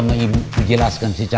nah udah datang nih